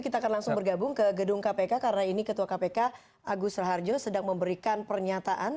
kita akan langsung bergabung ke gedung kpk karena ini ketua kpk agus raharjo sedang memberikan pernyataan